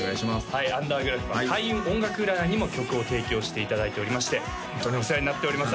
はいアンダーグラフは開運音楽占いにも曲を提供していただいておりましてホントにお世話になっております